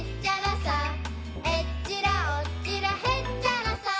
「えっちらおっちらへっちゃらさ」